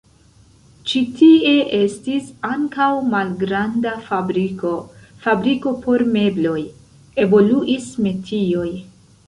Ĉi tie estis ankaŭ malgranda fabriko, fabriko por mebloj, evoluis metioj.